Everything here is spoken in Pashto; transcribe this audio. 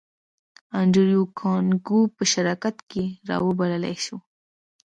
انډریو کارنګي به شراکت ته را وبللای شې